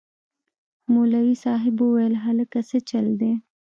مولوي صاحب وويل هلکه سه چل دې.